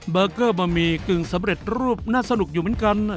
เบอร์เกอร์บะหมี่กึ่งสำเร็จรูปน่าสนุกอยู่เหมือนกัน